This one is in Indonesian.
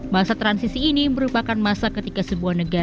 masa transisi ini merupakan masa ketika sebuah negara